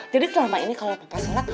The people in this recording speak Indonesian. jadi selama ini kalo papa sholat